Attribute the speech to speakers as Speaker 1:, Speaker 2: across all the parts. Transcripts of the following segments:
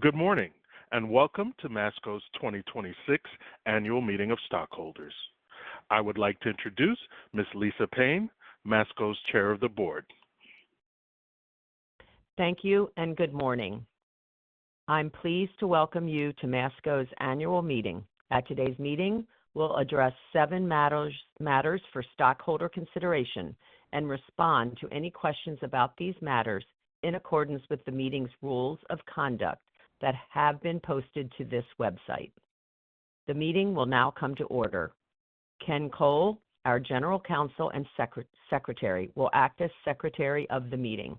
Speaker 1: Good morning, and welcome to Masco's 2026 annual meeting of stockholders. I would like to introduce Ms. Lisa Payne, Masco's Chair of the Board.
Speaker 2: Thank you and good morning. I'm pleased to welcome you to Masco's annual meeting. At today's meeting, we'll address seven matters for stockholder consideration and respond to any questions about these matters in accordance with the meeting's rules of conduct that have been posted to this website. The meeting will now come to order. Ken Cole, our General Counsel and secretary, will act as secretary of the meeting.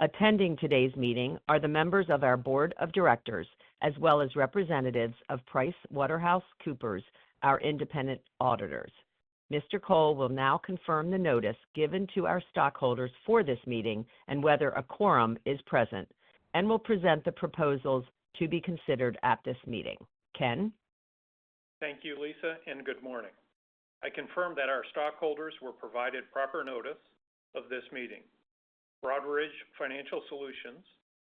Speaker 2: Attending today's meeting are the members of our Board of Directors, as well as representatives of PricewaterhouseCoopers, our independent auditors. Mr. Cole will now confirm the notice given to our stockholders for this meeting and whether a quorum is present and will present the proposals to be considered at this meeting. Ken?
Speaker 3: Thank you, Lisa, and good morning. I confirm that our stockholders were provided proper notice of this meeting. Broadridge Financial Solutions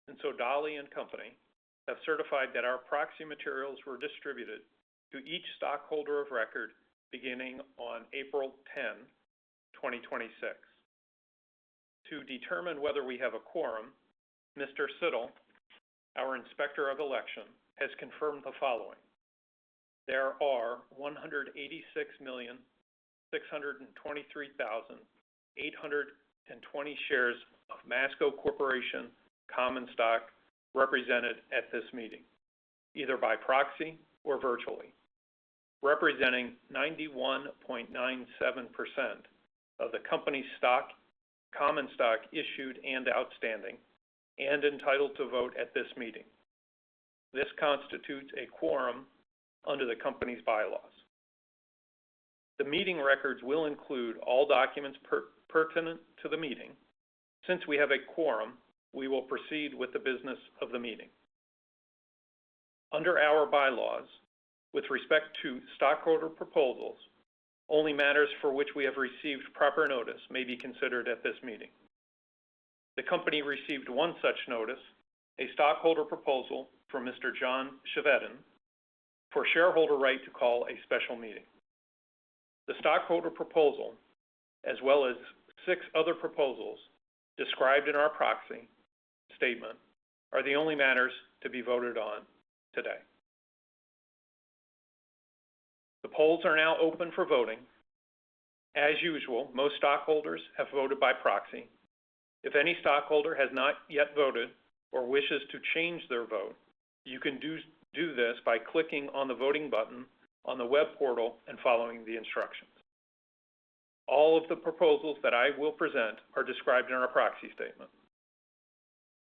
Speaker 3: and Sodali & Company have certified that our proxy materials were distributed to each stockholder of record beginning on April 10, 2026. To determine whether we have a quorum, Mr. Siddle, our Inspector of Election, has confirmed the following: There are 186,623,882 shares of Masco Corporation common stock represented at this meeting, either by proxy or virtually, representing 91.97% of the company stock, common stock issued and outstanding and entitled to vote at this meeting. This constitutes a quorum under the company's bylaws. The meeting records will include all documents pertinent to the meeting. Since we have a quorum, we will proceed with the business of the meeting. Under our bylaws, with respect to stockholder proposals, only matters for which we have received proper notice may be considered at this meeting. The company received one such notice, a stockholder proposal from Mr. John Chevedden for shareholder right to call a special meeting. The stockholder proposal, as well as six other proposals described in our proxy statement, are the only matters to be voted on today. The polls are now open for voting. As usual, most stockholders have voted by proxy. If any stockholder has not yet voted or wishes to change their vote, you can do this by clicking on the voting button on the web portal and following the instructions. All of the proposals that I will present are described in our proxy statement.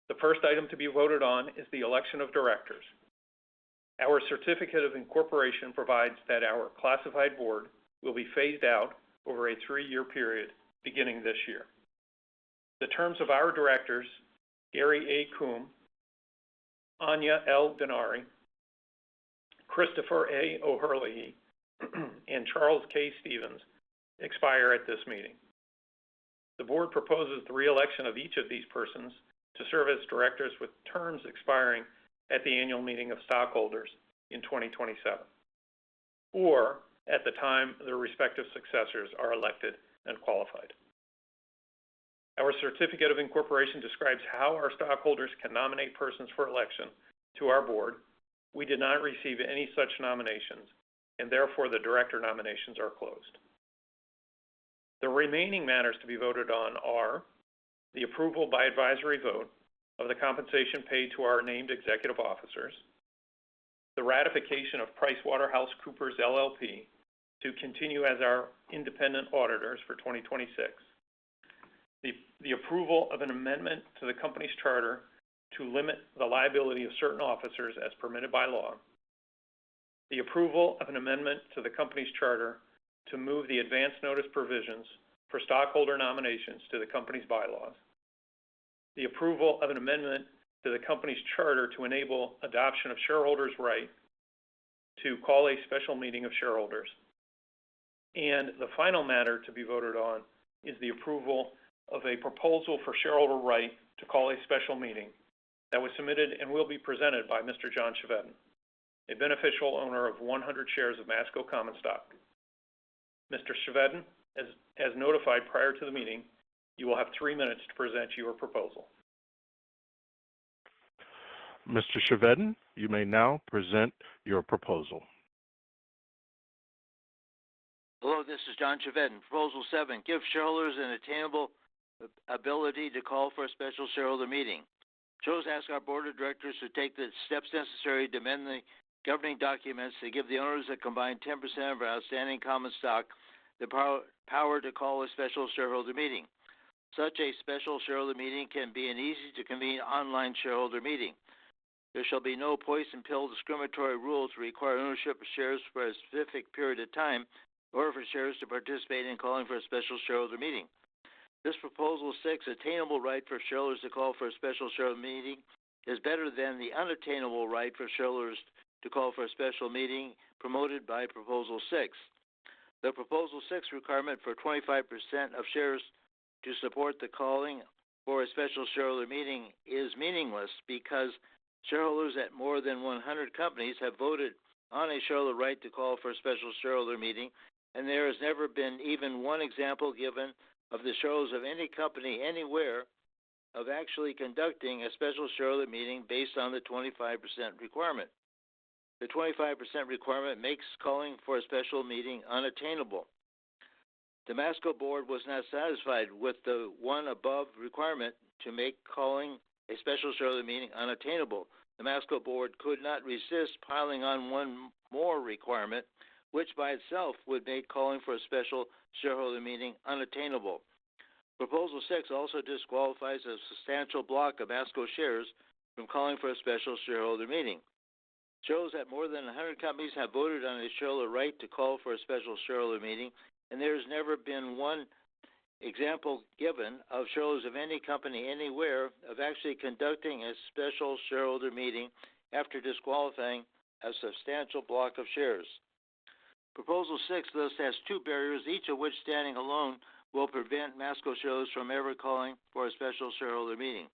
Speaker 3: The first item to be voted on is the election of directors. Our certificate of incorporation provides that our classified board will be phased out over a three-year period beginning this year. The terms of our directors, Gary A. Coombe, Aine L. Denari, Christopher A. O'Herlihy, and Charles K. Stevens, expire at this meeting. The board proposes the reelection of each of these persons to serve as directors with terms expiring at the annual meeting of stockholders in 2027 or at the time their respective successors are elected and qualified. Our certificate of incorporation describes how our stockholders can nominate persons for election to our board. We did not receive any such nominations, and therefore, the director nominations are closed. The remaining matters to be voted on are the approval by advisory vote of the compensation paid to our named executive officers, the ratification of PricewaterhouseCoopers LLP to continue as our independent auditors for 2026, the approval of an amendment to the company's charter to limit the liability of certain officers as permitted by law, the approval of an amendment to the company's charter to move the advance notice provisions for stockholder nominations to the company's bylaws, the approval of an amendment to the company's charter to enable adoption of shareholders' right to call a special meeting of shareholders, and the final matter to be voted on is the approval of a proposal for shareholder right to call a special meeting that was submitted and will be presented by Mr. John Chevedden, a beneficial owner of 100 shares of Masco common stock. Mr. Chevedden, as notified prior to the meeting, you will have three minutes to present your proposal.
Speaker 1: Mr. Chevedden, you may now present your proposal.
Speaker 4: Hello, this is John Chevedden. Proposal 7, give shareholders an attainable ability to call for a special shareholder meeting. Chose to ask our board of directors to take the steps necessary to amend the governing documents to give the owners a combined 10% of our outstanding common stock the power to call a special shareholder meeting. Such a special shareholder meeting can be an easy to convene online shareholder meeting. There shall be no poison pill discriminatory rule to require ownership of shares for a specific period of time or for shares to participate in calling for a special shareholder meeting. This proposal 6, attainable right for shareholders to call for a special shareholder meeting, is better than the unattainable right for shareholders to call for a special meeting promoted by proposal 6. The Proposal 6 requirement for 25% of shares to support the calling for a special shareholder meeting is meaningless because shareholders at more than 100 companies have voted on a shareholder right to call for a special shareholder meeting, and there has never been even one example given of the shareholders of any company anywhere of actually conducting a special shareholder meeting based on the 25% requirement. The 25% requirement makes calling for a special meeting unattainable. The Masco board was not satisfied with the one above requirement to make calling a special shareholder meeting unattainable. The Masco board could not resist piling on one more requirement, which by itself would make calling for a special shareholder meeting unattainable. Proposal 6 also disqualifies a substantial block of Masco shares from calling for a special shareholder meeting. Shareholders at more than 100 companies have voted on this share to call for special shareholder meeting, and there has never been one example given of shareholders of any company anywhere of actually conducting a special shareholder meeting after disqualifying a substantial block of shares. Proposal 6 thus has two barriers, each of which standing alone will prevent Masco shareholders from ever calling for a special shareholder meeting.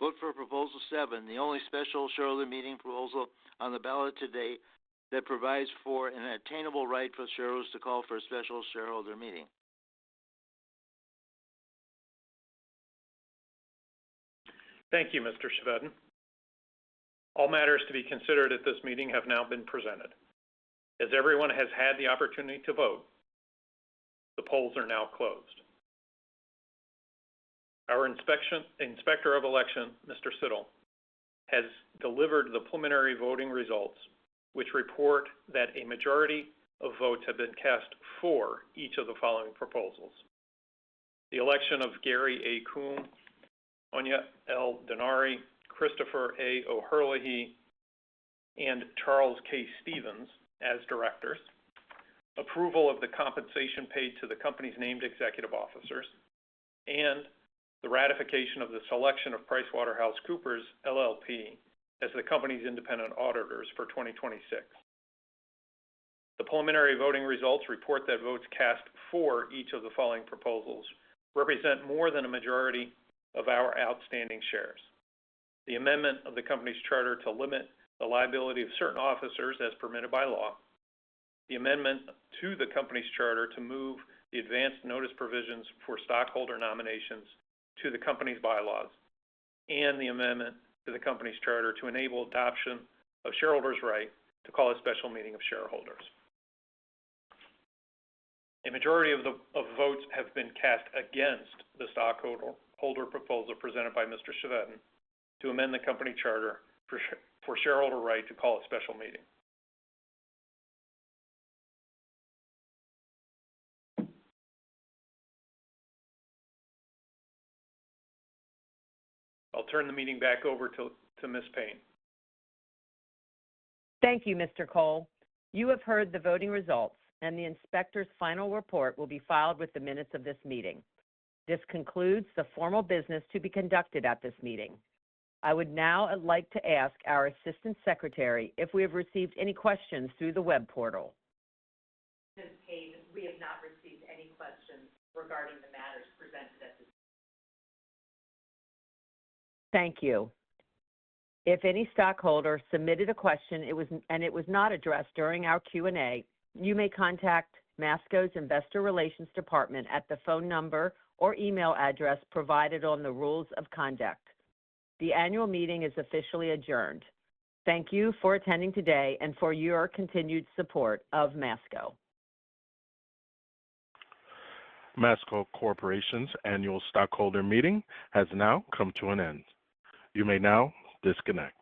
Speaker 4: Vote for Proposal 7, the only special shareholder meeting proposal on the ballot to date that provides for an attainable right for shareholders to call for a special shareholder meeting.
Speaker 3: Thank you, Mr. Chevedden. All matters to be considered at this meeting have now been presented. As everyone has had the opportunity to vote, the polls are now closed. Our Inspector of Election, Mr. Siddle, has delivered the preliminary voting results, which report that a majority of votes have been cast for each of the following proposals: the election of Gary A. Coombe, Aine L. Denari, Christopher A. O'Herlihy, and Charles K. Stevens as directors, approval of the compensation paid to the company's named executive officers, and the ratification of the selection of PricewaterhouseCoopers LLP as the company's independent auditors for 2026. The preliminary voting results report that votes cast for each of the following proposals represent more than a majority of our outstanding shares. The amendment of the company's charter to limit the liability of certain officers as permitted by law, the amendment to the company's charter to move the advance notice provisions for stockholder nominations to the company's bylaws, and the amendment to the company's charter to enable adoption of shareholders' right to call a special meeting of shareholders. A majority of the votes have been cast against the stockholder proposal presented by Mr. Chevedden to amend the company charter for shareholder right to call a special meeting. I'll turn the meeting back over to Ms. Payne.
Speaker 2: Thank you, Mr. Cole. You have heard the voting results, and the inspector's final report will be filed with the minutes of this meeting. This concludes the formal business to be conducted at this meeting. I would now like to ask our assistant secretary if we have received any questions through the web portal.
Speaker 5: Ms. Payne, we have not received any questions regarding the matters presented at this time.
Speaker 2: Thank you. If any stockholder submitted a question, it was and it was not addressed during our Q&A, you may contact Masco's Investor Relations Department at the phone number or email address provided on the rules of conduct. The annual meeting is officially adjourned. Thank you for attending today and for your continued support of Masco.
Speaker 1: Masco Corporation's annual stockholder meeting has now come to an end. You may now disconnect.